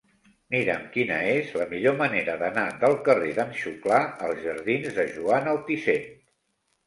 Mira'm quina és la millor manera d'anar del carrer d'en Xuclà als jardins de Joan Altisent.